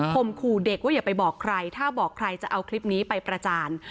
มขู่เด็กว่าอย่าไปบอกใครถ้าบอกใครจะเอาคลิปนี้ไปประจาน